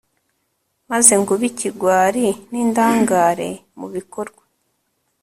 maze ngo ube ikigwari n'indangare mu bikorwa